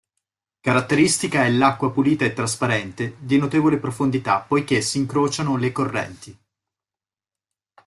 Caratteristica è l'acqua pulita e trasparente, di notevole profondità poiché si incrociano le correnti.